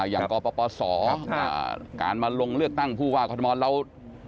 อย่างกปศการมาลงเลือกตั้งผู้ความความความความ